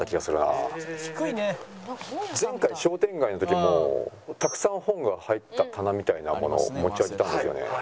前回商店街の時もたくさん本が入った棚みたいな物を持ち上げたんですよね。